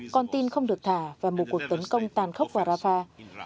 con tin không được thả và một cuộc tấn công tàn khốc vào rafah